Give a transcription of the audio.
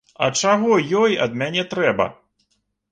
А чаго ёй ад мяне трэба?